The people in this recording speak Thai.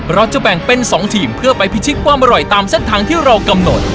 เราจะแบ่งเป็น๒ทีมเพื่อไปพิชิตความอร่อยตามเส้นทางที่เรากำหนด